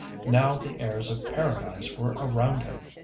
Now the airs of Paradise were around him.